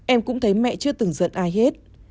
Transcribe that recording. em cũng thấy mẹ chưa từng giận ai hết